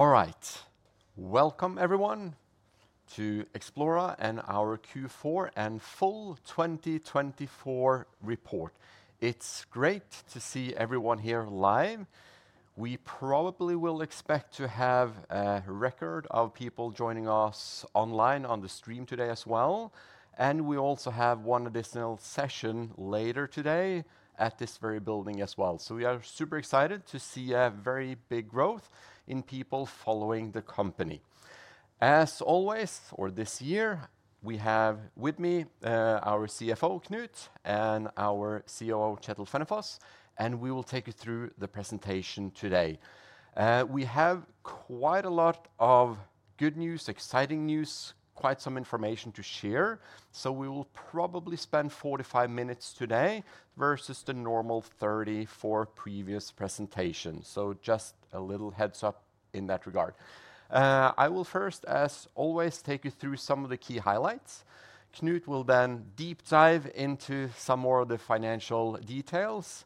All right, welcome everyone to Xplora and our Q4 and full 2024 report. It's great to see everyone here live. We probably will expect to have a record of people joining us online on the stream today as well. We also have one additional session later today at this very building as well. We are super excited to see a very big growth in people following the company. As always, or this year, we have with me our CFO, Knut, and our COO, Kjetil Fennefoss, and we will take you through the presentation today. We have quite a lot of good news, exciting news, quite some information to share. We will probably spend 45 minutes today versus the normal 30 for previous presentations. Just a little heads up in that regard. I will first, as always, take you through some of the key highlights. Knut will then deep dive into some more of the financial details.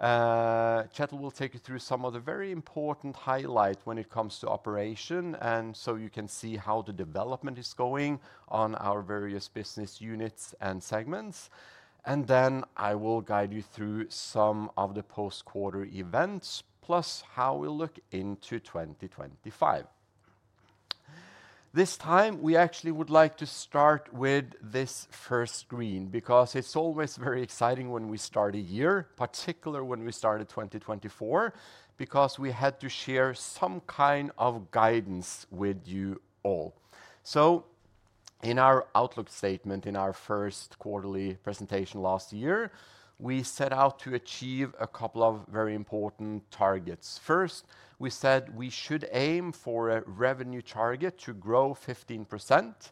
Kjetil will take you through some of the very important highlights when it comes to operation, and you can see how the development is going on our various business units and segments. I will guide you through some of the post-quarter events, plus how we look into 2025. This time, we actually would like to start with this first screen because it is always very exciting when we start a year, particularly when we started 2024, because we had to share some kind of guidance with you all. In our outlook statement, in our first quarterly presentation last year, we set out to achieve a couple of very important targets. First, we said we should aim for a revenue target to grow 15%.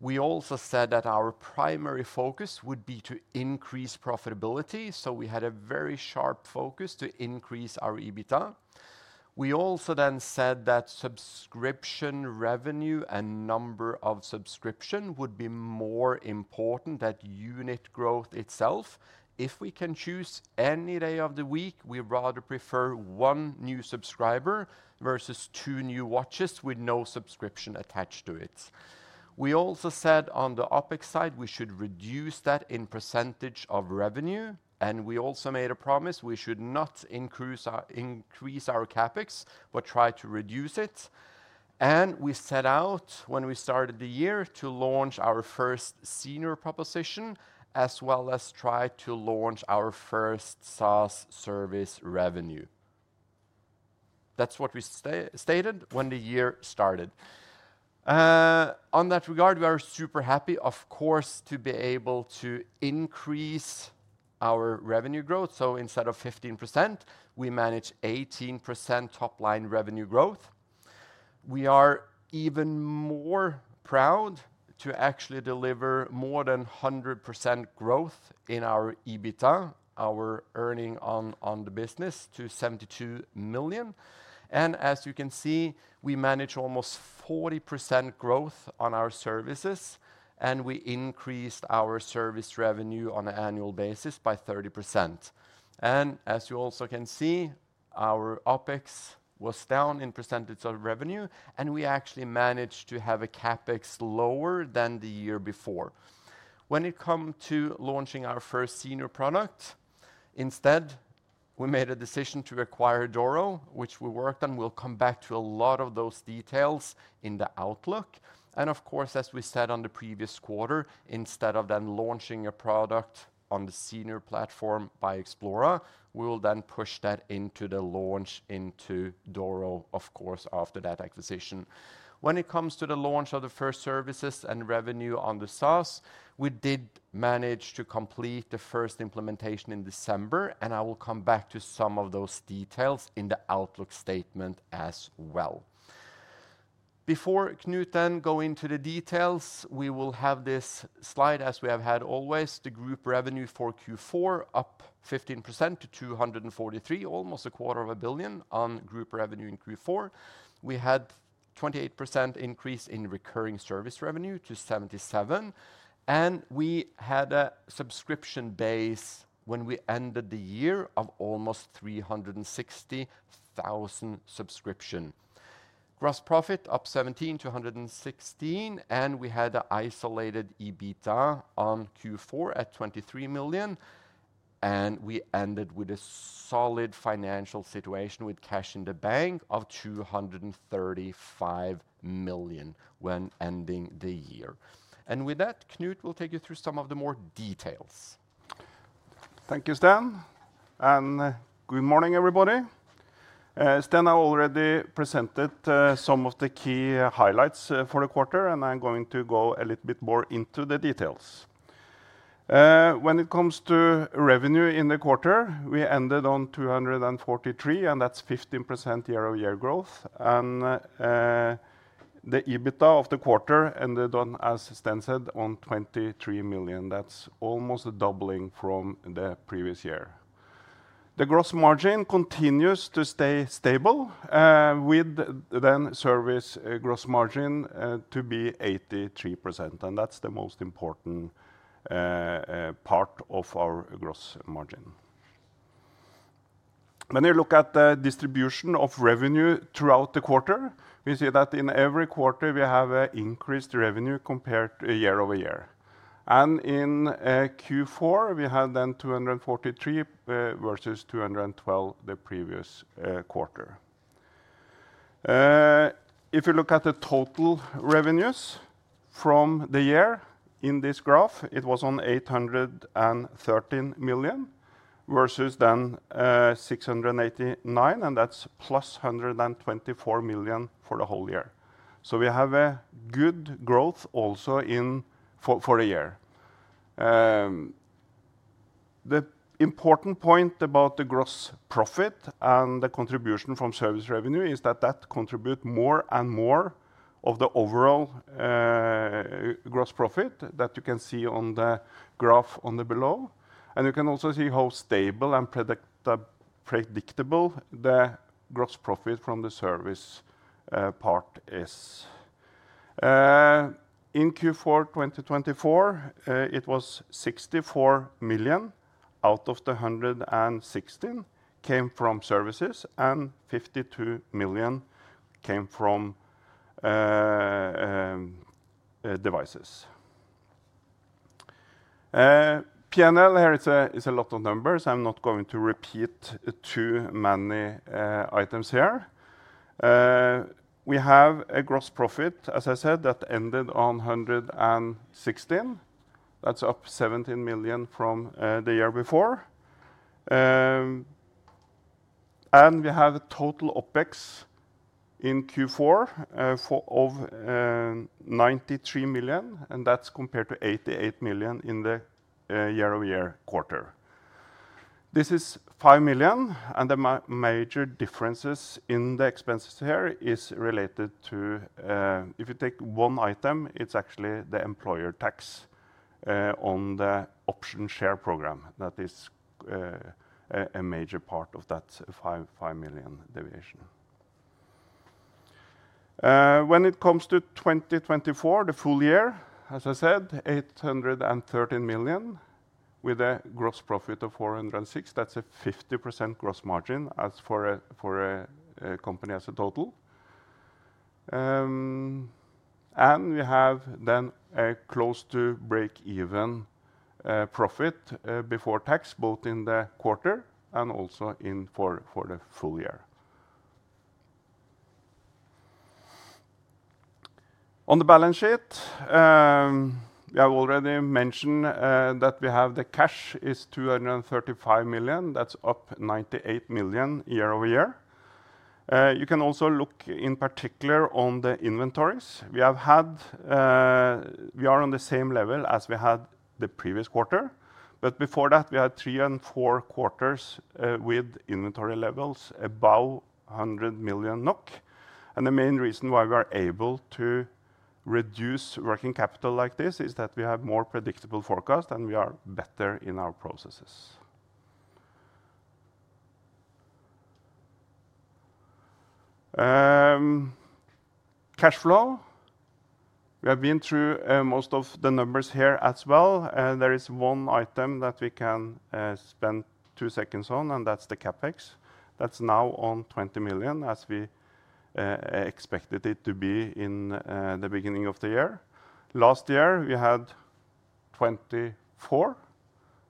We also said that our primary focus would be to increase profitability. We had a very sharp focus to increase our EBITDA. We also then said that subscription revenue and number of subscriptions would be more important than unit growth itself. If we can choose any day of the week, we'd rather prefer one new subscriber versus two new watches with no subscription attached to it. We also said on the OpEx side, we should reduce that in percentage of revenue. We also made a promise we should not increase our CapEx, but try to reduce it. We set out, when we started the year, to launch our first senior proposition, as well as try to launch our first SaaS service revenue. That's what we stated when the year started. On that regard, we are super happy, of course, to be able to increase our revenue growth. Instead of 15%, we manage 18% top-line revenue growth. We are even more proud to actually deliver more than 100% growth in our EBITDA, our earning on the business, to 72 million. As you can see, we manage almost 40% growth on our services, and we increased our service revenue on an annual basis by 30%. As you also can see, our OpEx was down in percentage of revenue, and we actually managed to have a CapEx lower than the year before. When it comes to launching our first senior product, instead, we made a decision to acquire Doro, which we worked on. We will come back to a lot of those details in the outlook. Of course, as we said on the previous quarter, instead of then launching a product on the senior platform by Xplora, we will then push that into the launch into Doro, of course, after that acquisition. When it comes to the launch of the first services and revenue on the SaaS, we did manage to complete the first implementation in December, and I will come back to some of those details in the outlook statement as well. Before Knut then goes into the details, we will have this slide, as we have had always, the group revenue for Q4 up 15% to 243 million, almost a quarter of a billion on group revenue in Q4. We had a 28% increase in recurring service revenue to 77 million, and we had a subscription base when we ended the year of almost 360,000 subscriptions. Gross profit up 17% to 116 million, and we had an isolated EBITDA on Q4 at 23 million, and we ended with a solid financial situation with cash in the bank of 235 million when ending the year. With that, Knut will take you through some of the more details. Thank you, Sten, and good morning, everybody. Sten has already presented some of the key highlights for the quarter, and I'm going to go a little bit more into the details. When it comes to revenue in the quarter, we ended on 243 million, and that's 15% year-over-year growth. The EBITDA of the quarter ended on, as Sten said, 23 million. That's almost a doubling from the previous year. The gross margin continues to stay stable, with then service gross margin to be 83%, and that's the most important part of our gross margin. When you look at the distribution of revenue throughout the quarter, we see that in every quarter we have an increased revenue compared to year-over-year. In Q4, we had then 243 million versus 212 million the previous quarter. If you look at the total revenues from the year in this graph, it was 813 million versus then 689 million, and that's plus 124 million for the whole year. We have a good growth also for the year. The important point about the gross profit and the contribution from service revenue is that that contributes more and more of the overall gross profit that you can see on the graph below. You can also see how stable and predictable the gross profit from the service part is. In Q4 2024, it was 64 million out of the 116 million came from services, and 52 million came from devices. P&L, there is a lot of numbers. I'm not going to repeat too many items here. We have a gross profit, as I said, that ended on 116 million. That's up 17 million from the year before. We have a total OpEx in Q4 of 93 million, and that's compared to 88 million in the year-over-year quarter. This is 5 million, and the major differences in the expenses here are related to, if you take one item, it's actually the employer tax on the option share program. That is a major part of that 5 million deviation. When it comes to 2024, the full year, as I said, 813 million with a gross profit of 406 million. That's a 50% gross margin as for a company as a total. We have then a close-to-break-even profit before tax, both in the quarter and also for the full year. On the balance sheet, we have already mentioned that we have the cash is 235 million. That's up 98 million year-over-year. You can also look in particular on the inventories. We are on the same level as we had the previous quarter, but before that, we had three and four quarters with inventory levels above 100 million NOK. The main reason why we are able to reduce working capital like this is that we have more predictable forecasts and we are better in our processes. Cash flow, we have been through most of the numbers here as well. There is one item that we can spend two seconds on, and that's the CapEx. That's now on 20 million, as we expected it to be in the beginning of the year. Last year, we had 24 million.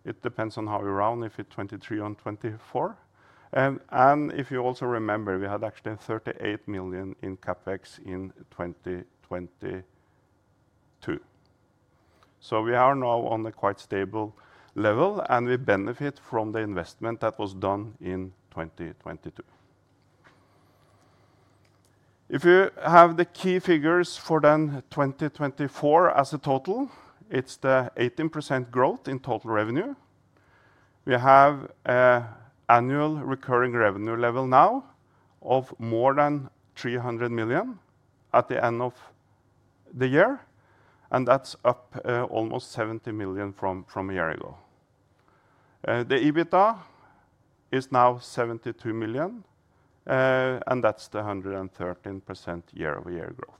It depends on how you round, if it's 23 million or 24 million. If you also remember, we had actually 38 million in CapEx in 2022. We are now on a quite stable level, and we benefit from the investment that was done in 2022. If you have the key figures for then 2024 as a total, it is the 18% growth in total revenue. We have an annual recurring revenue level now of more than 300 million at the end of the year, and that is up almost 70 million from a year ago. The EBITDA is now 72 million, and that is the 113% year-over-year growth.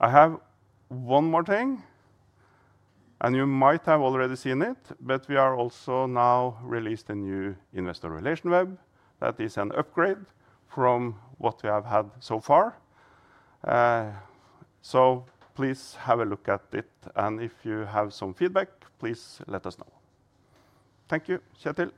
I have one more thing, and you might have already seen it, but we have also now released a new investor relation web. That is an upgrade from what we have had so far. Please have a look at it, and if you have some feedback, please let us know. Thank you, Kjetil.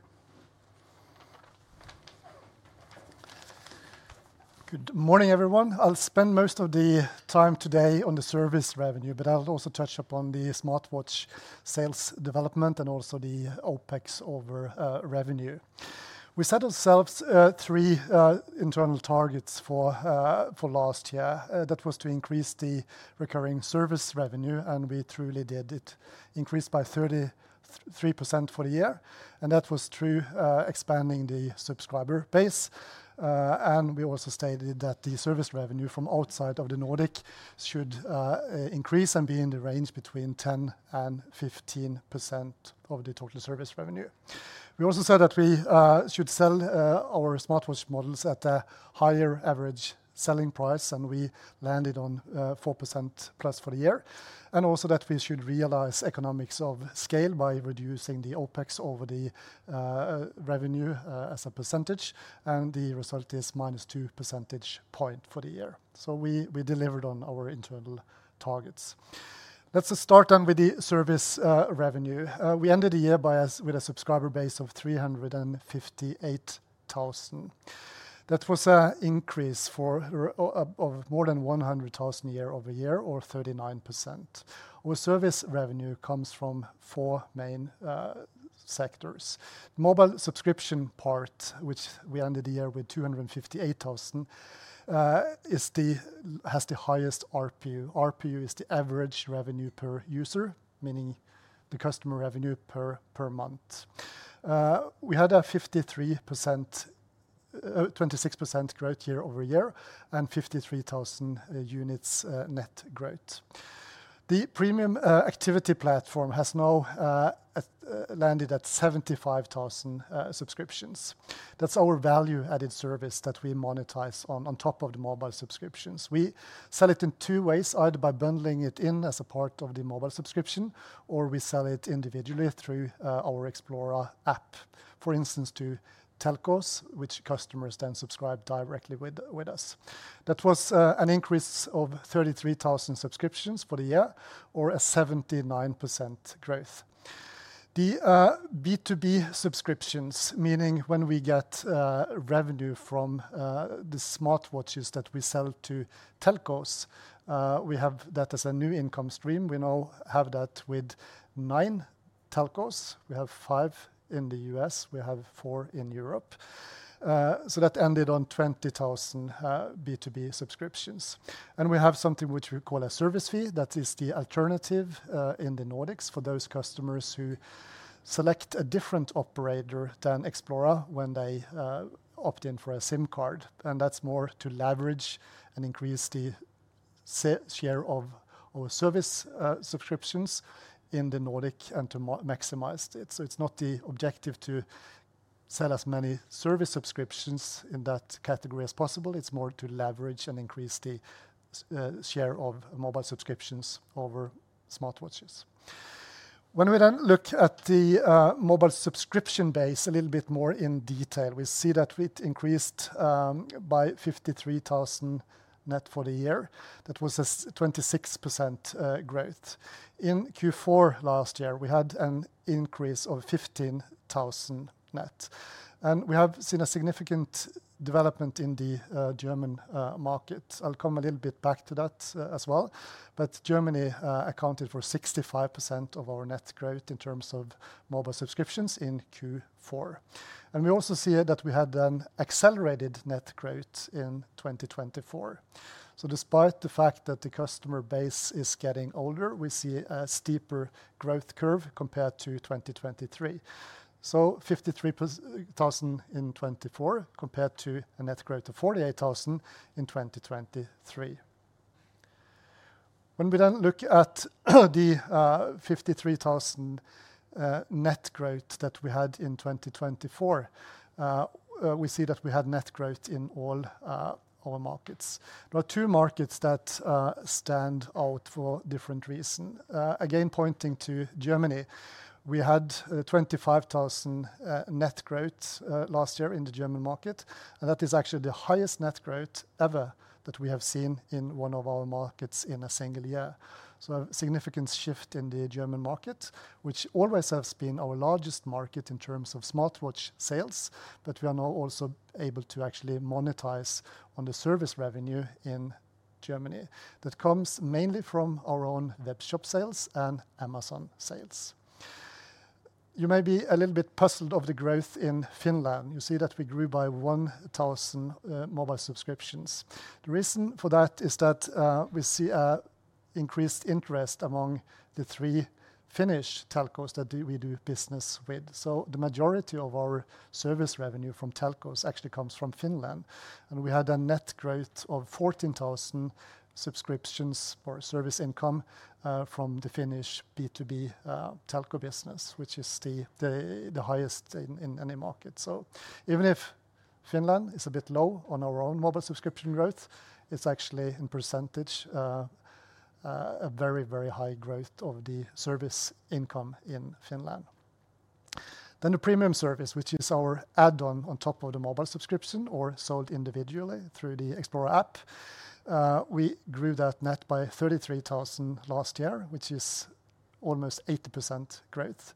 Good morning, everyone. I'll spend most of the time today on the service revenue, but I'll also touch upon the smartwatch sales development and also the OpEx over revenue. We set ourselves three internal targets for last year. That was to increase the recurring service revenue, and we truly did it. Increased by 33% for the year, and that was through expanding the subscriber base. We also stated that the service revenue from outside of the Nordic should increase and be in the range between 10%-15% of the total service revenue. We also said that we should sell our smartwatch models at a higher average selling price, and we landed on 4% plus for the year. Also that we should realize economics of scale by reducing the OpEx over the revenue as a percentage, and the result is minus 2 percentage points for the year. We delivered on our internal targets. Let's start then with the service revenue. We ended the year with a subscriber base of 358,000. That was an increase of more than 100,000 year-over-year, or 39%. Our service revenue comes from four main sectors. The mobile subscription part, which we ended the year with 258,000, has the highest ARPU. ARPU is the average revenue per user, meaning the customer revenue per month. We had a 26% growth year-over-year and 53,000 units net growth. The premium activity platform has now landed at 75,000 subscriptions. That's our value-added service that we monetize on top of the mobile subscriptions. We sell it in two ways, either by bundling it in as a part of the mobile subscription, or we sell it individually through our Xplora app, for instance, to telcos, which customers then subscribe directly with us. That was an increase of 33,000 subscriptions for the year, or a 79% growth. The B2B subscriptions, meaning when we get revenue from the smartwatches that we sell to telcos, we have that as a new income stream. We now have that with nine telcos. We have five in the U.S. We have four in Europe. That ended on 20,000 B2B subscriptions. We have something which we call a service fee. That is the alternative in the Nordics for those customers who select a different operator than Xplora when they opt in for a SIM card. That is more to leverage and increase the share of our service subscriptions in the Nordic and to maximize it. It is not the objective to sell as many service subscriptions in that category as possible. It is more to leverage and increase the share of mobile subscriptions over smartwatches. When we then look at the mobile subscription base a little bit more in detail, we see that we increased by 53,000 net for the year. That was a 26% growth. In Q4 last year, we had an increase of 15,000 net. We have seen a significant development in the German market. I will come a little bit back to that as well. Germany accounted for 65% of our net growth in terms of mobile subscriptions in Q4. We also see that we had an accelerated net growth in 2024. Despite the fact that the customer base is getting older, we see a steeper growth curve compared to 2023. 53,000 in 2024 compared to a net growth of 48,000 in 2023. When we then look at the 53,000 net growth that we had in 2024, we see that we had net growth in all our markets. There are two markets that stand out for different reasons. Again, pointing to Germany, we had 25,000 net growth last year in the German market, and that is actually the highest net growth ever that we have seen in one of our markets in a single year. A significant shift in the German market, which always has been our largest market in terms of smartwatch sales, but we are now also able to actually monetize on the service revenue in Germany. That comes mainly from our own web shop sales and Amazon sales. You may be a little bit puzzled of the growth in Finland. You see that we grew by 1,000 mobile subscriptions. The reason for that is that we see an increased interest among the three Finnish telcos that we do business with. The majority of our service revenue from telcos actually comes from Finland. We had a net growth of 14,000 subscriptions for service income from the Finnish B2B telco business, which is the highest in any market. Even if Finland is a bit low on our own mobile subscription growth, it's actually in percentage a very, very high growth of the service income in Finland. The premium service, which is our add-on on top of the mobile subscription or sold individually through the Xplora app, we grew that net by 33,000 last year, which is almost 80% growth.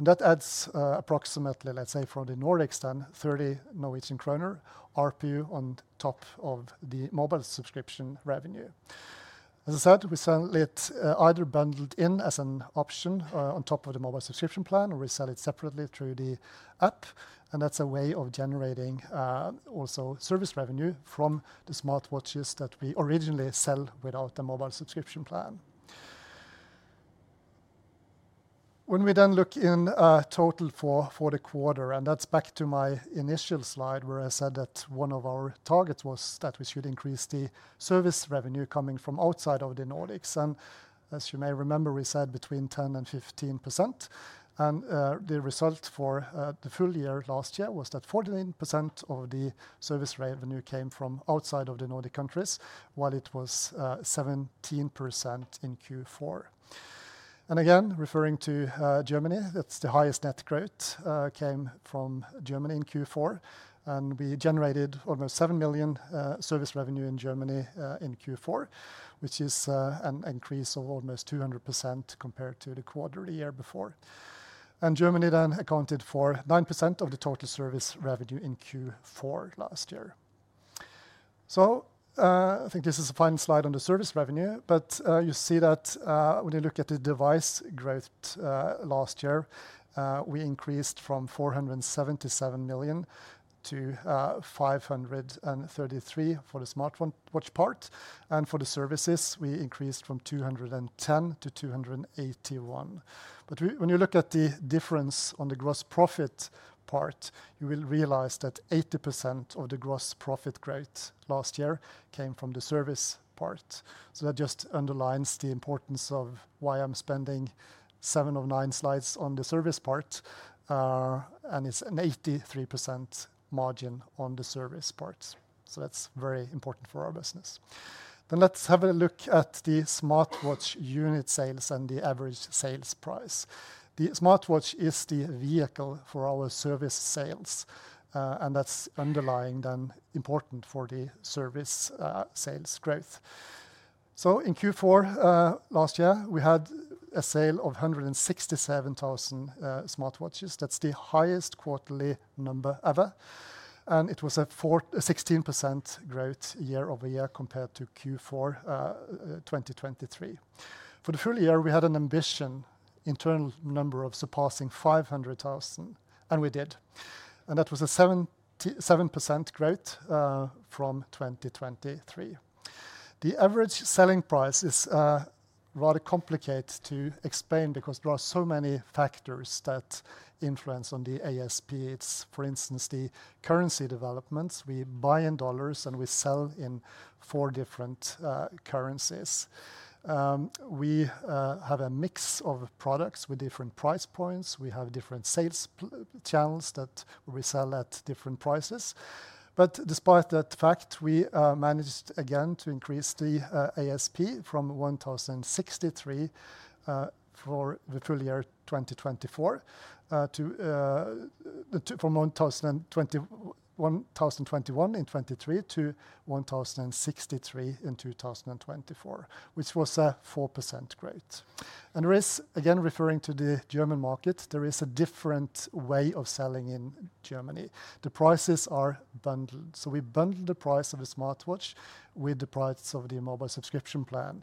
That adds approximately, let's say, for the Nordics then, 30 Norwegian kroner RPU on top of the mobile subscription revenue. As I said, we sell it either bundled in as an option on top of the mobile subscription plan, or we sell it separately through the app. That is a way of generating also service revenue from the smartwatches that we originally sell without the mobile subscription plan. When we then look in total for the quarter, that is back to my initial slide where I said that one of our targets was that we should increase the service revenue coming from outside of the Nordics. As you may remember, we said between 10% and 15%. The result for the full year last year was that 49% of the service revenue came from outside of the Nordic countries, while it was 17% in Q4. Again, referring to Germany, the highest net growth came from Germany in Q4. We generated almost 7 million service revenue in Germany in Q4, which is an increase of almost 200% compared to the quarter of the year before. Germany then accounted for 9% of the total service revenue in Q4 last year. I think this is the final slide on the service revenue, but you see that when you look at the device growth last year, we increased from 477 million to 533 million for the smartwatch part. For the services, we increased from 210 million to 281 million. When you look at the difference on the gross profit part, you will realize that 80% of the gross profit growth last year came from the service part. That just underlines the importance of why I'm spending seven of nine slides on the service part, and it's an 83% margin on the service part. That's very important for our business. Let's have a look at the smartwatch unit sales and the average sales price. The smartwatch is the vehicle for our service sales, and that's underlying then important for the service sales growth. In Q4 last year, we had a sale of 167,000 smartwatches. That's the highest quarterly number ever. It was a 16% growth year-over-year compared to Q4 2023. For the full year, we had an ambition internal number of surpassing 500,000, and we did. That was a 7% growth from 2023. The average selling price is rather complicated to explain because there are so many factors that influence on the ASP. It's, for instance, the currency developments. We buy in dollars and we sell in four different currencies. We have a mix of products with different price points. We have different sales channels that we sell at different prices. Despite that fact, we managed again to increase the ASP from 1,021 in 2023 to 1,063 in 2024, which was a 4% growth. There is, again, referring to the German market, a different way of selling in Germany. The prices are bundled. We bundle the price of the smartwatch with the price of the mobile subscription plan.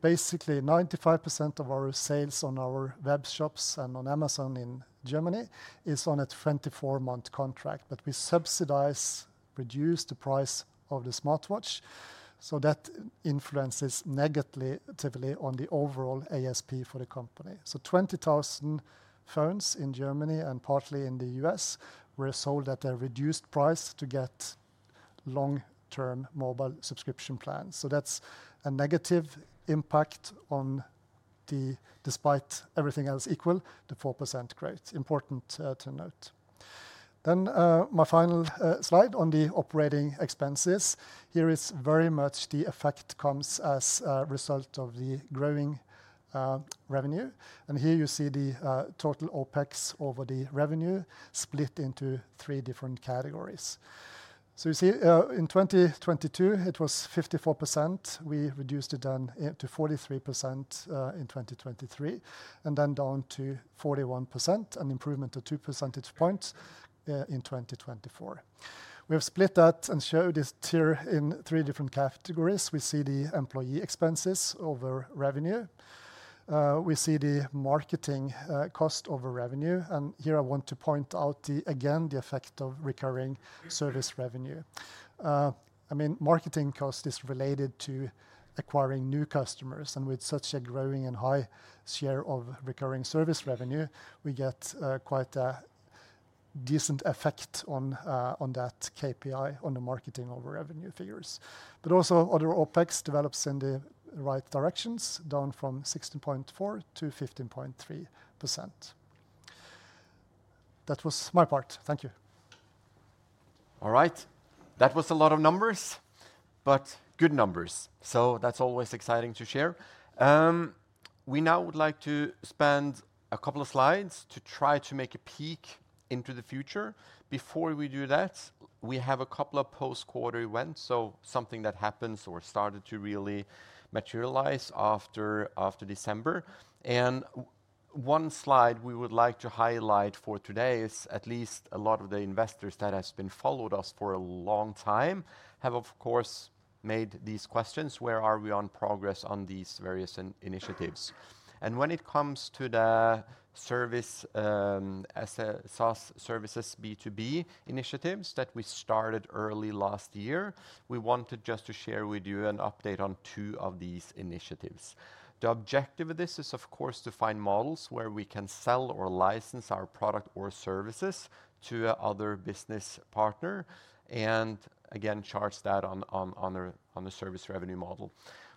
Basically, 95% of our sales on our web shops and on Amazon in Germany is on a 24-month contract, but we subsidize, reduce the price of the smartwatch. That influences negatively on the overall ASP for the company. 20,000 phones in Germany and partly in the United States were sold at a reduced price to get long-term mobile subscription plans. That is a negative impact on the, despite everything else equal, the 4% growth. Important to note. My final slide on the operating expenses. Here is very much the effect comes as a result of the growing revenue. Here you see the total OpEx over the revenue split into three different categories. You see in 2022, it was 54%. We reduced it to 43% in 2023, and then down to 41%, an improvement of 2 percentage points in 2024. We have split that and showed it here in three different categories. We see the employee expenses over revenue. We see the marketing cost over revenue. I want to point out again the effect of recurring service revenue. I mean, marketing cost is related to acquiring new customers. With such a growing and high share of recurring service revenue, we get quite a decent effect on that KPI on the marketing over revenue figures. But also other OpEx develops in the right directions, down from 16.4% to 15.3%. That was my part. Thank you. All right. That was a lot of numbers, but good numbers. That is always exciting to share. We now would like to spend a couple of slides to try to make a peek into the future. Before we do that, we have a couple of post-quarter events, so something that happens or started to really materialize after December. One slide we would like to highlight for today is at least a lot of the investors that have been following us for a long time have, of course, made these questions. Where are we on progress on these various initiatives? When it comes to the service as a SaaS services B2B initiatives that we started early last year, we wanted just to share with you an update on two of these initiatives. The objective of this is, of course, to find models where we can sell or license our product or services to another business partner and, again, charge that on the service revenue model.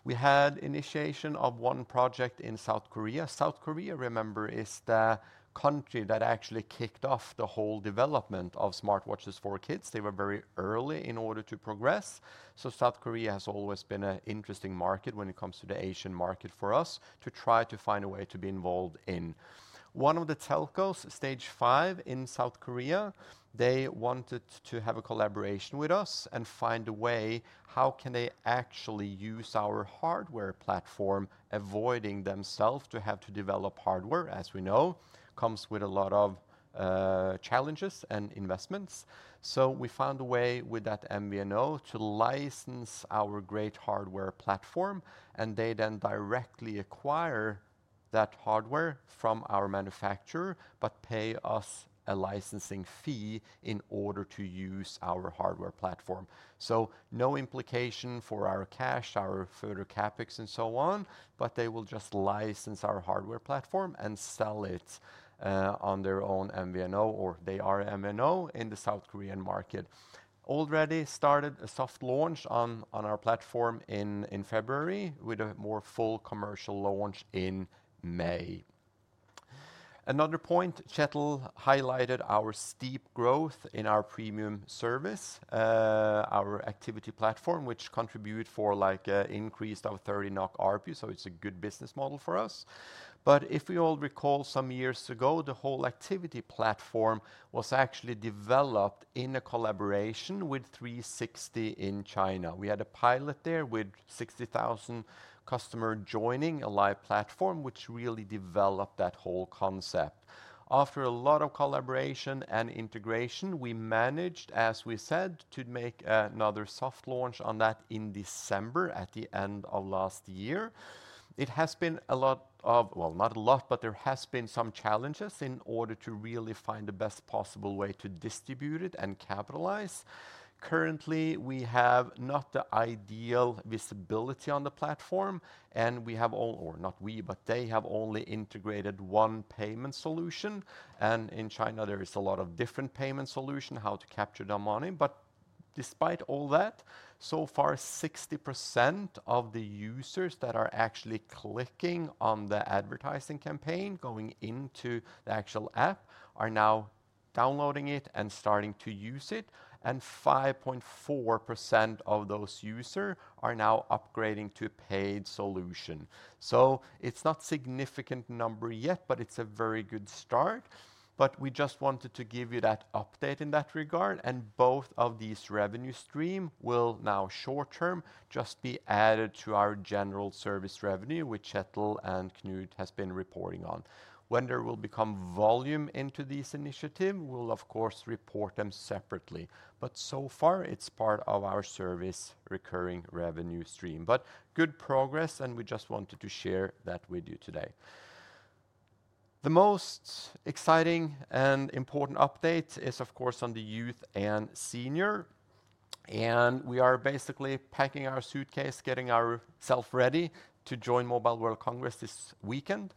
We had initiation of one project in South Korea. South Korea, remember, is the country that actually kicked off the whole development of smartwatches for kids. They were very early in order to progress. South Korea has always been an interesting market when it comes to the Asian market for us to try to find a way to be involved in. One of the telcos, Stage Five in South Korea, they wanted to have a collaboration with us and find a way how can they actually use our hardware platform, avoiding themselves to have to develop hardware, as we know, comes with a lot of challenges and investments. We found a way with that MVNO to license our great hardware platform, and they then directly acquire that hardware from our manufacturer, but pay us a licensing fee in order to use our hardware platform. No implication for our cash, our further CapEx, and so on, but they will just license our hardware platform and sell it on their own MVNO, or they are MVNO in the South Korean market. Already started a soft launch on our platform in February with a more full commercial launch in May. Another point, Kjetil highlighted our steep growth in our premium service, our activity platform, which contributed for like an increase of 30 NOK RPU. It is a good business model for us. If we all recall some years ago, the whole activity platform was actually developed in a collaboration with 360 in China. We had a pilot there with 60,000 customers joining a live platform, which really developed that whole concept. After a lot of collaboration and integration, we managed, as we said, to make another soft launch on that in December at the end of last year. It has been a lot of, well, not a lot, but there have been some challenges in order to really find the best possible way to distribute it and capitalize. Currently, we have not the ideal visibility on the platform, and we have all, or not we, but they have only integrated one payment solution. In China, there is a lot of different payment solutions, how to capture their money. Despite all that, so far, 60% of the users that are actually clicking on the advertising campaign, going into the actual app, are now downloading it and starting to use it. 5.4% of those users are now upgrading to a paid solution. It is not a significant number yet, but it is a very good start. We just wanted to give you that update in that regard. Both of these revenue streams will now, short term, just be added to our general service revenue, which Kjetil and Knut have been reporting on. When there will become volume into these initiatives, we will, of course, report them separately. It is part of our service recurring revenue stream. Good progress, and we just wanted to share that with you today. The most exciting and important update is, of course, on the youth and senior. We are basically packing our suitcase, getting ourselves ready to join Mobile World Congress this weekend.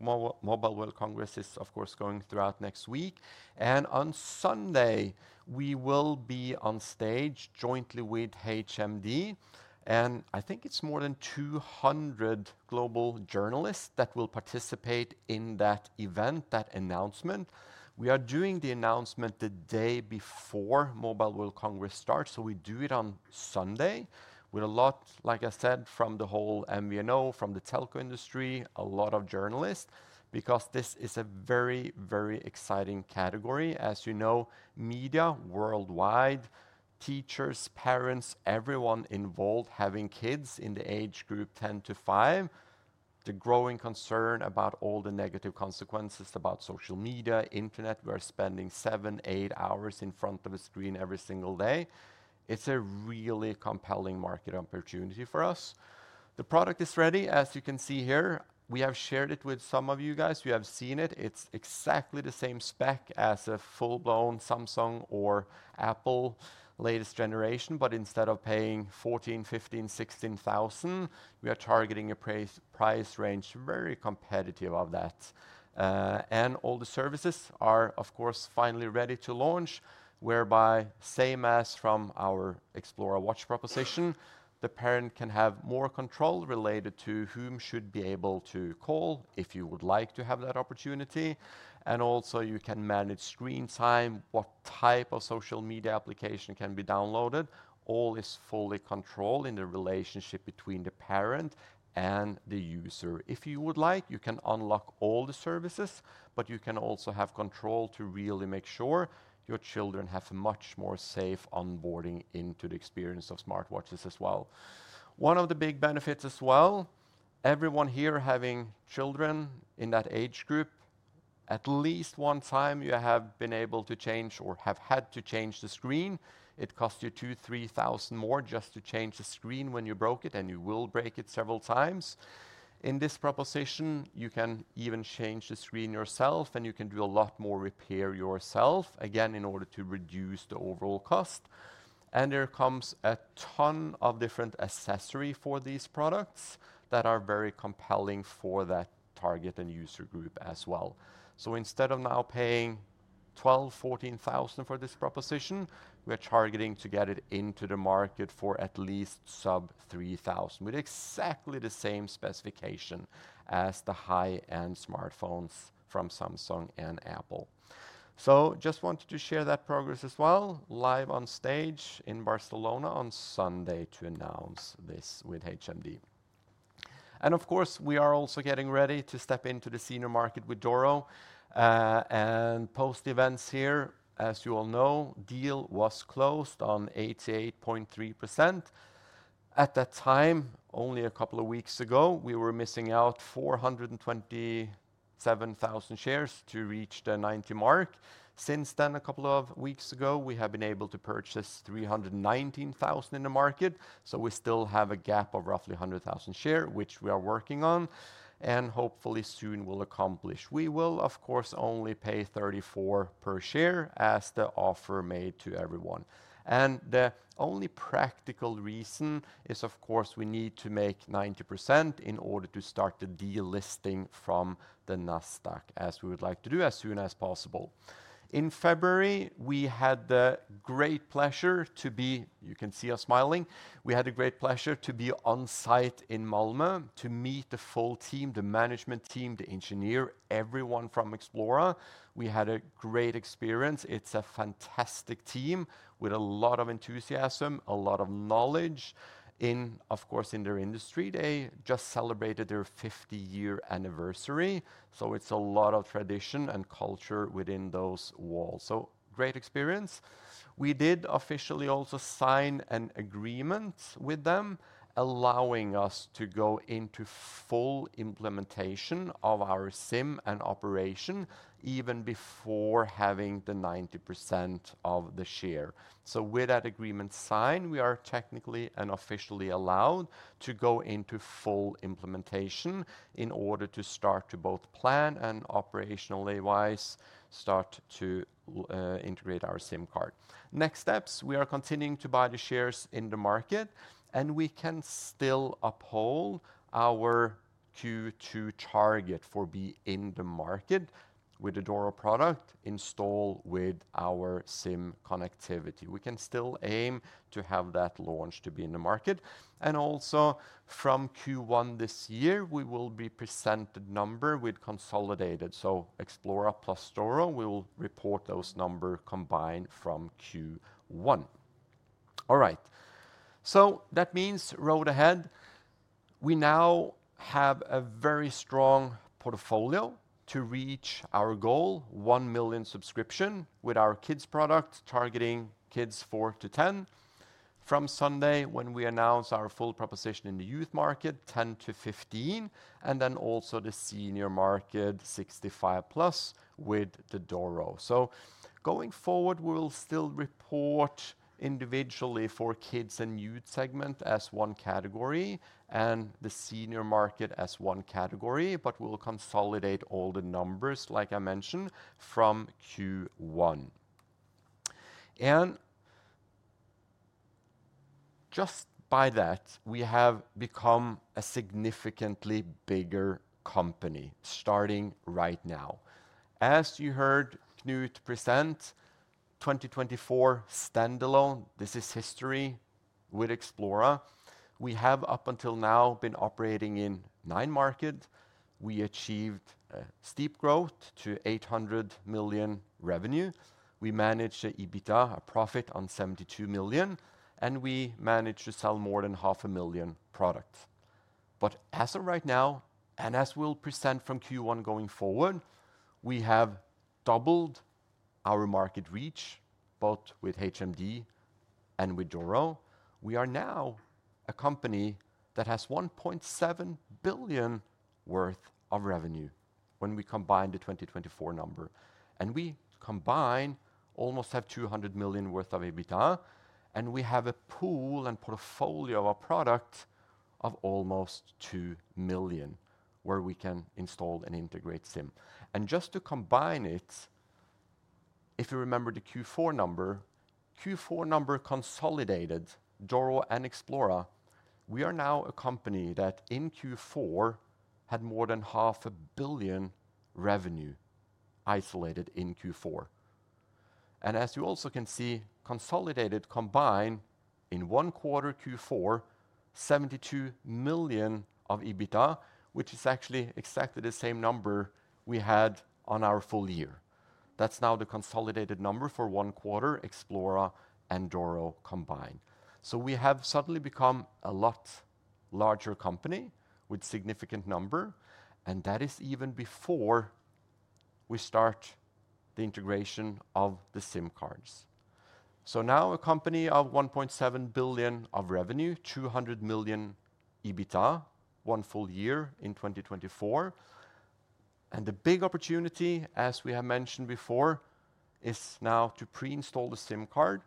Mobile World Congress is, of course, going throughout next week. On Sunday, we will be on stage jointly with HMD. I think it is more than 200 global journalists that will participate in that event, that announcement. We are doing the announcement the day before Mobile World Congress starts. We do it on Sunday with a lot, like I said, from the whole MVNO, from the telco industry, a lot of journalists, because this is a very, very exciting category. As you know, media worldwide, teachers, parents, everyone involved having kids in the age group 10 to 5, the growing concern about all the negative consequences about social media, internet, we're spending seven, eight hours in front of a screen every single day. It's a really compelling market opportunity for us. The product is ready, as you can see here. We have shared it with some of you guys. You have seen it. It's exactly the same spec as a full-blown Samsung or Apple latest generation, but instead of paying 14,000-16,000, we are targeting a price range very competitive of that. All the services are, of course, finally ready to launch, whereby same as from our Xplora Watch proposition, the parent can have more control related to whom should be able to call if you would like to have that opportunity. You can also manage screen time, what type of social media application can be downloaded. All is fully controlled in the relationship between the parent and the user. If you would like, you can unlock all the services, but you can also have control to really make sure your children have a much more safe onboarding into the experience of smartwatches as well. One of the big benefits as well, everyone here having children in that age group, at least one time you have been able to change or have had to change the screen. It costs you 2,000-3,000 more just to change the screen when you broke it, and you will break it several times. In this proposition, you can even change the screen yourself, and you can do a lot more repair yourself, again, in order to reduce the overall cost. There comes a ton of different accessories for these products that are very compelling for that target and user group as well. Instead of now paying 12,000-14,000 for this proposition, we are targeting to get it into the market for at least sub 3,000 with exactly the same specification as the high-end smartphones from Samsung and Apple. I just wanted to share that progress as well, live on stage in Barcelona on Sunday to announce this with HMD. Of course, we are also getting ready to step into the senior market with Doro and post events here. As you all know, deal was closed on 88.3%. At that time, only a couple of weeks ago, we were missing out 427,000 shares to reach the 90% mark. Since then, a couple of weeks ago, we have been able to purchase 319,000 in the market. We still have a gap of roughly 100,000 shares, which we are working on and hopefully soon will accomplish. We will, of course, only pay 34 per share as the offer made to everyone. The only practical reason is, of course, we need to make 90% in order to start the de-listing from the Nasdaq, as we would like to do as soon as possible. In February, we had the great pleasure to be, you can see us smiling, we had the great pleasure to be on site in Malmö to meet the full team, the management team, the engineer, everyone from Xplora. We had a great experience. It's a fantastic team with a lot of enthusiasm, a lot of knowledge in, of course, in their industry. They just celebrated their 50-year anniversary. It is a lot of tradition and culture within those walls. Great experience. We did officially also sign an agreement with them, allowing us to go into full implementation of our SIM and operation even before having the 90% of the share. With that agreement signed, we are technically and officially allowed to go into full implementation in order to start to both plan and operationally-wise start to integrate our SIM card. Next steps, we are continuing to buy the shares in the market, and we can still uphold our Q2 target for being in the market with the Doro product installed with our SIM connectivity. We can still aim to have that launch to be in the market. Also from Q1 this year, we will be presented number with consolidated. So Xplora plus Doro, we will report those number combined from Q1. All right. That means road ahead. We now have a very strong portfolio to reach our goal, 1 million subscriptions with our kids product targeting kids 4 to 10. From Sunday, when we announce our full proposition in the youth market, 10 to 15, and also the senior market, 65+ with the Doro. Going forward, we will still report individually for kids and youth segment as one category and the senior market as one category, but we will consolidate all the numbers like I mentioned from Q1. Just by that, we have become a significantly bigger company starting right now. As you heard Knut present, 2024 standalone, this is history with Xplora. We have up until now been operating in nine markets. We achieved a steep growth to 800 million revenue. We managed an EBITDA, a profit of 72 million, and we managed to sell more than 500,000 products. As of right now, and as we'll present from Q1 going forward, we have doubled our market reach, both with HMD and with Doro. We are now a company that has 1.7 billion worth of revenue when we combine the 2024 number. We combine almost 200 million worth of EBITDA, and we have a pool and portfolio of our product of almost 2 million where we can install and integrate SIM. Just to combine it, if you remember the Q4 number, Q4 number consolidated Doro and Xplora, we are now a company that in Q4 had more than 500 million revenue isolated in Q4. As you also can see, consolidated combined in one quarter Q4, 72 million of EBITDA, which is actually exactly the same number we had on our full year. That is now the consolidated number for one quarter Xplora and Doro combined. We have suddenly become a lot larger company with significant number, and that is even before we start the integration of the SIM cards. Now a company of 1.7 billion of revenue, 200 million EBITDA one full year in 2024. The big opportunity, as we have mentioned before, is now to pre-install the SIM card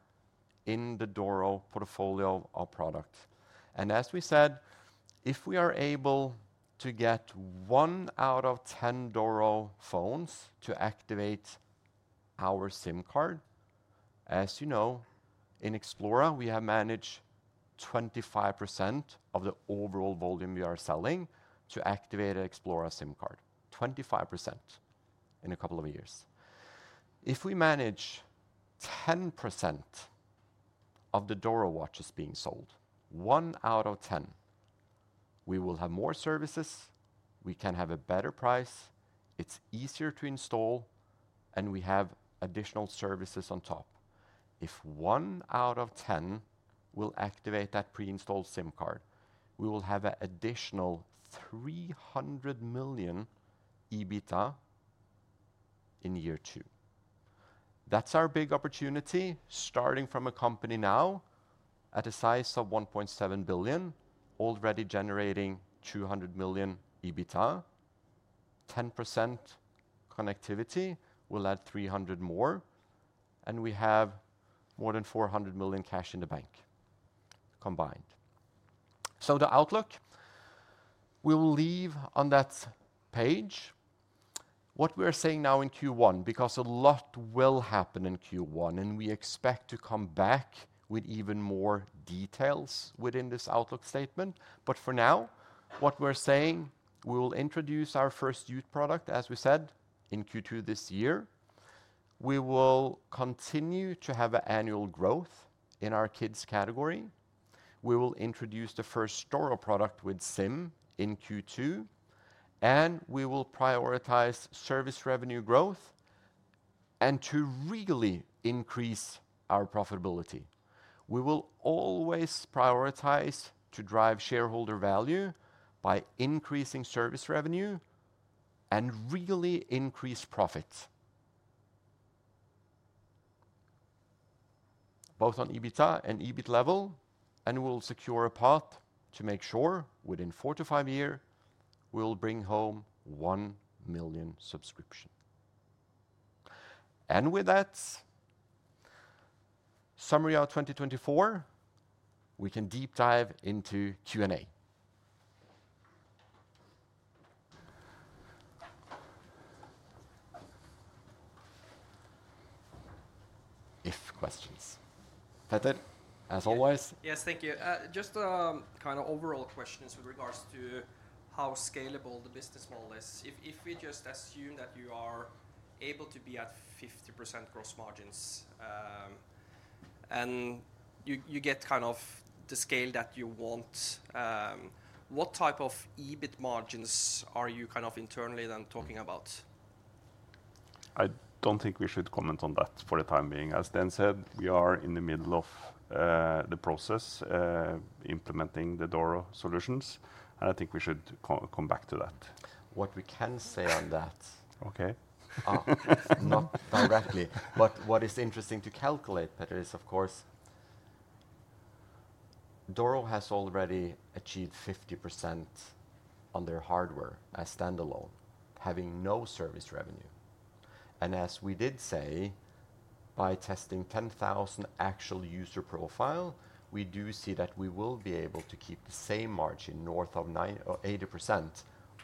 in the Doro portfolio of products. As we said, if we are able to get one out of 10 Doro phones to activate our SIM card, as you know, in Xplora, we have managed 25% of the overall volume we are selling to activate a Xplora SIM card, 25% in a couple of years. If we manage 10% of the Doro watches being sold, one out of 10, we will have more services, we can have a better price, it's easier to install, and we have additional services on top. If one out of 10 will activate that pre-installed SIM card, we will have an additional 300 million EBITDA in year two. That's our big opportunity starting from a company now at a size of 1.7 billion, already generating 200 million EBITDA, 10% connectivity will add 300 million more, and we have more than 400 million cash in the bank combined. The outlook, we will leave on that page. What we are saying now in Q1, because a lot will happen in Q1, and we expect to come back with even more details within this outlook statement. For now, what we're saying, we will introduce our first youth product, as we said, in Q2 this year. We will continue to have an annual growth in our kids category. We will introduce the first Doro product with SIM in Q2, and we will prioritize service revenue growth and to really increase our profitability. We will always prioritize to drive shareholder value by increasing service revenue and really increase profits, both on EBITDA and EBIT level, and we will secure a path to make sure within four to five years, we will bring home 1 million subscriptions. With that, summary of 2024, we can deep dive into Q&A. If questions, Petter, as always. Yes, thank you. Just kind of overall questions with regards to how scalable the business model is. If we just assume that you are able to be at 50% gross margins and you get kind of the scale that you want, what type of EBIT margins are you kind of internally then talking about? I do not think we should comment on that for the time being. As Knut said, we are in the middle of the process implementing the Doro solutions, and I think we should come back to that. What we can say on that. Okay. Not directly, but what is interesting to calculate, Petter, is of course, Doro has already achieved 50% on their hardware as standalone, having no service revenue. And as we did say, by testing 10,000 actual user profile, we do see that we will be able to keep the same margin north of 80%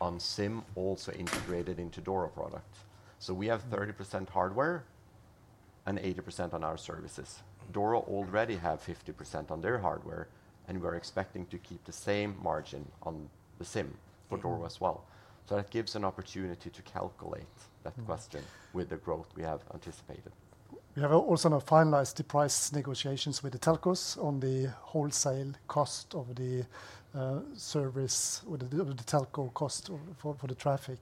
on SIM also integrated into Doro product. We have 30% hardware and 80% on our services. Doro already have 50% on their hardware, and we're expecting to keep the same margin on the SIM for Doro as well. That gives an opportunity to calculate that question with the growth we have anticipated. We have also now finalized the price negotiations with the telcos on the wholesale cost of the service with the telco cost for the traffic.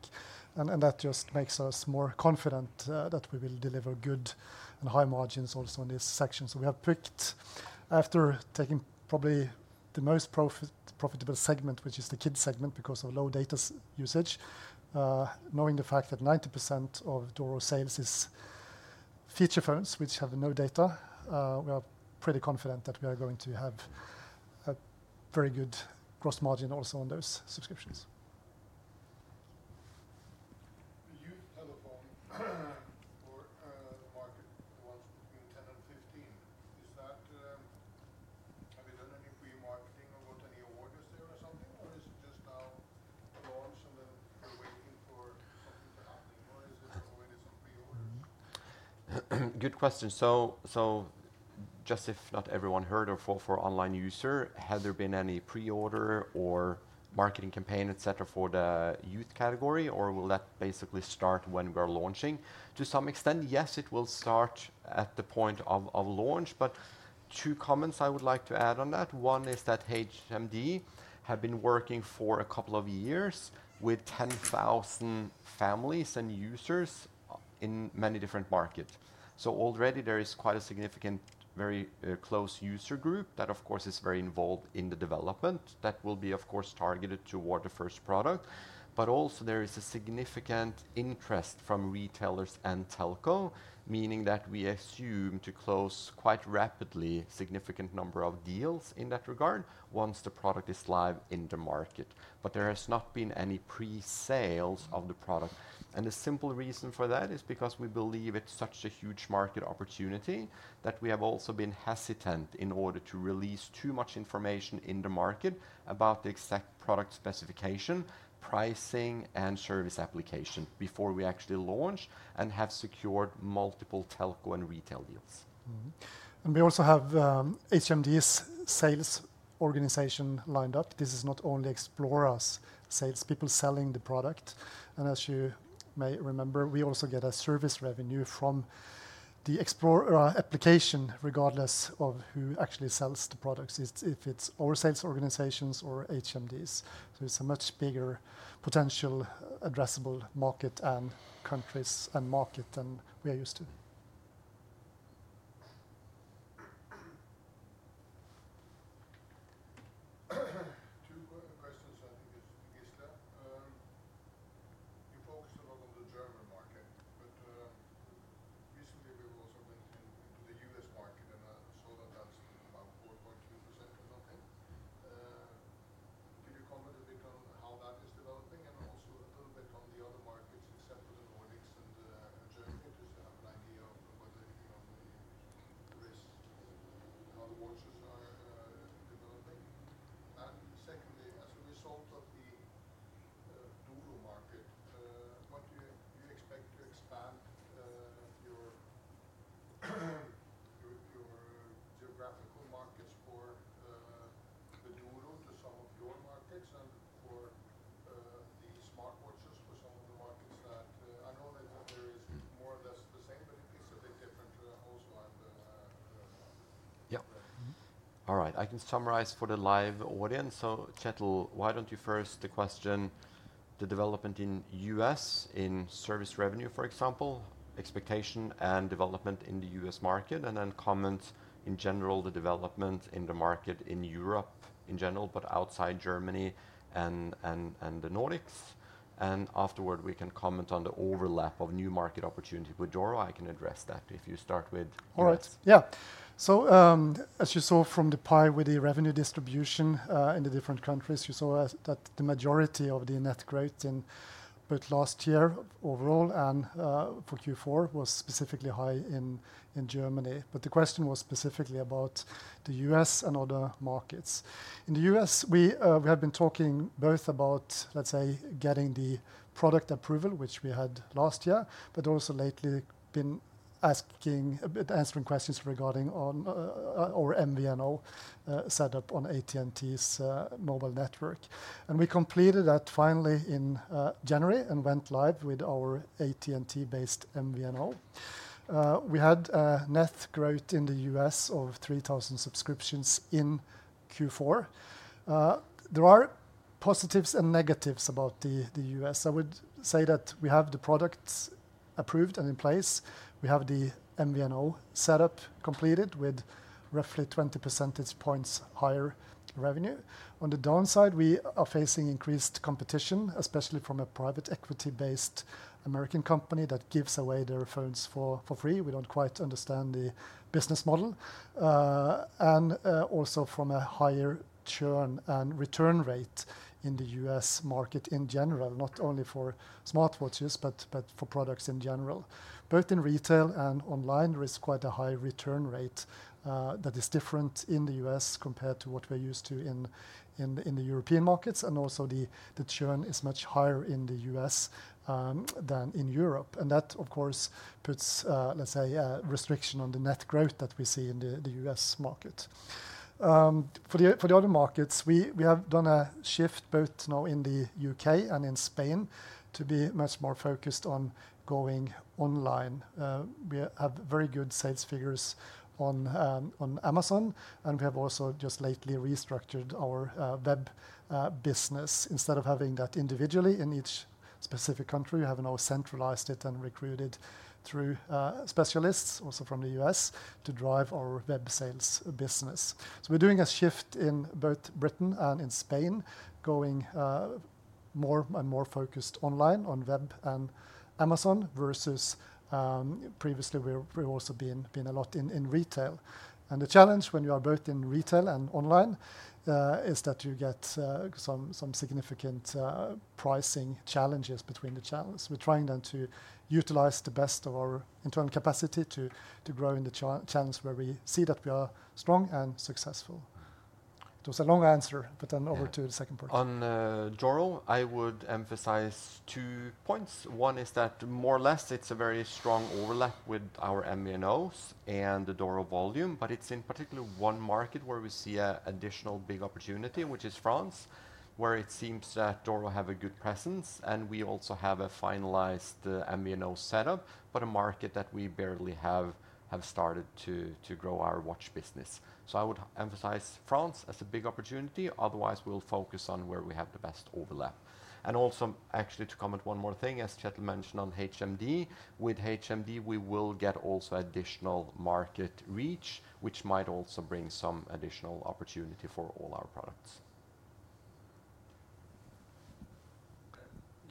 That just makes us more confident that we will deliver good and high margins also in this section. We have picked, after taking probably the most profitable segment, which is the kids segment because of low data usage, knowing the fact that 90% of Doro sales is feature phones, which have no data, we are pretty confident that we are going to have a very good gross margin also on those subscriptions. The youth telephone market, the ones between 10 and 15, is that, have you done any pre-marketing or got any orders there or something, or is it just now launch and then we're waiting for something to happen? Or is it already some pre-orders? Good question. If not everyone heard or for online user, has there been any pre-order or marketing campaign, etc., for the youth category, or will that basically start when we are launching? To some extent, yes, it will start at the point of launch, but two comments I would like to add on that. One is that HMD have been working for a couple of years with 10,000 families and users in many different markets. Already there is quite a significant, very close user group that, of course, is very involved in the development that will be, of course, targeted toward the first product. Also, there is a significant interest from retailers and telco, meaning that we assume to close quite rapidly a significant number of deals in that regard once the product is live in the market. There has not been any pre-sales of the product. The simple reason for that is because we believe it's such a huge market opportunity that we have also been hesitant in order to release too much information in the market about the exact product specification, pricing, and service application before we actually launch and have secured multiple telco and retail deals. We also have HMD's sales organization lined up. This is not only Xplora's sales, people selling the product. As you may remember, we also get a service revenue from the Xplora application regardless of who actually sells the products, if it's our sales organizations or HMD's. It's a much bigger potential addressable market and countries and market than we are used to. Afterward, we can comment on the overlap of new market opportunity with Doro. I can address that if you start with yours. All right. Yeah. As you saw from the pie with the revenue distribution in the different countries, you saw that the majority of the net growth in both last year overall and for Q4 was specifically high in Germany. The question was specifically about the U.S. and other markets. In the U.S., we have been talking both about, let's say, getting the product approval, which we had last year, but also lately been answering questions regarding our MVNO setup on AT&T's mobile network. We completed that finally in January and went live with our AT&T-based MVNO. We had net growth in the U.S. of 3,000 subscriptions in Q4. There are positives and negatives about the U.S. I would say that we have the products approved and in place. We have the MVNO setup completed with roughly 20 percentage points higher revenue. On the downside, we are facing increased competition, especially from a private equity-based American company that gives away their phones for free. We don't quite understand the business model. Also, from a higher churn and return rate in the US market in general, not only for smartwatches, but for products in general. Both in retail and online, there is quite a high return rate that is different in the U.S. compared to what we're used to in the European markets. Also, the churn is much higher in the U.S. than in Europe. That, of course, puts, let's say, a restriction on the net growth that we see in the U.S. market. For the other markets, we have done a shift both now in the U.K. and in Spain to be much more focused on going online. We have very good sales figures on Amazon, and we have also just lately restructured our web business. Instead of having that individually in each specific country, we have now centralized it and recruited through specialists also from the U.S. to drive our web sales business. We're doing a shift in both Britain and in Spain, going more and more focused online on web and Amazon versus previously we've also been a lot in retail. The challenge when you are both in retail and online is that you get some significant pricing challenges between the channels. We're trying then to utilize the best of our internal capacity to grow in the channels where we see that we are strong and successful. It was a long answer, but then over to the second part. On Doro, I would emphasize two points. One is that more or less it's a very strong overlap with our MVNOs and the Doro volume, but it's in particular one market where we see an additional big opportunity, which is France, where it seems that Doro have a good presence and we also have a finalized MVNO setup, but a market that we barely have started to grow our watch business. I would emphasize France as a big opportunity. Otherwise, we'll focus on where we have the best overlap. Also, actually to comment one more thing, as Kjetil mentioned on HMD, with HMD, we will get also additional market reach, which might also bring some additional opportunity for all our products.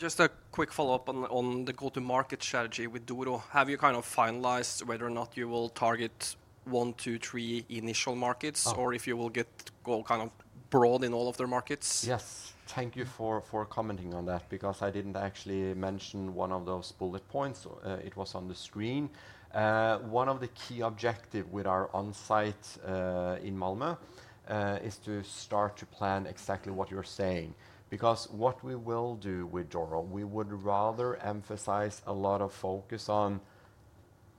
Just a quick follow-up on the go-to-market strategy with Doro. Have you kind of finalized whether or not you will target one, two, three initial markets or if you will get kind of broad in all of their markets? Yes. Thank you for commenting on that because I did not actually mention one of those bullet points. It was on the screen. One of the key objectives with our onsite in Malmö is to start to plan exactly what you are saying. Because what we will do with Doro, we would rather emphasize a lot of focus on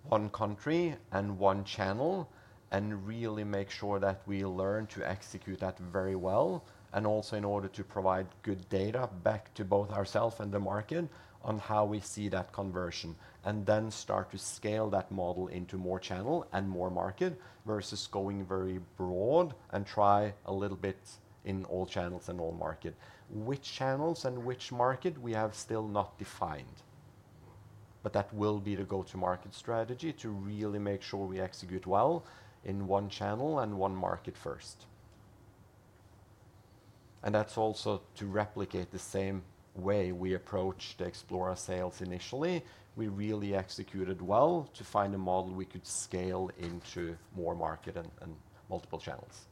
one country and one channel and really make sure that we learn to execute that very well and also in order to provide good data back to both ourselves and the market on how we see that conversion and then start to scale that model into more channel and more market versus going very broad and try a little bit in all channels and all market. Which channels and which market we have still not defined, but that will be the go-to-market strategy to really make sure we execute well in one channel and one market first. That is also to replicate the same way we approached Xplora sales initially. We really executed well to find a model we could scale into more market and multiple channels.